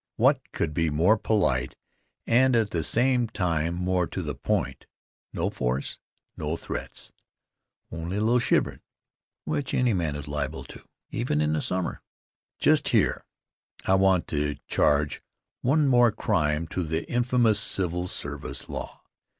What could be more polite and, at the same time, more to the point? No force, no threats only a little shiverin' which any man is liable to even in summer. Just here, I want to charge one more crime to the infamous civil service law.